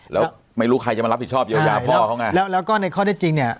แล้วไม่รู้ใครจะมารับผิดชอบเยียวยาพ่อเขาไงแล้วแล้วก็ในข้อได้จริงเนี่ย